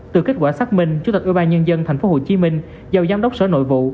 từ kết quả xác minh chủ tịch ủy ban nhân dân thành phố hồ chí minh giao giám đốc sở nội vụ